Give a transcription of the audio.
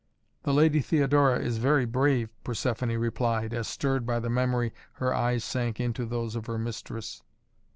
"The Lady Theodora is very brave," Persephoné replied, as, stirred by the memory, her eyes sank into those of her mistress.